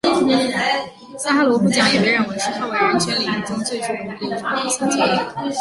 萨哈罗夫奖也被认为是捍卫人权领域中最具有荣誉的一项奖励。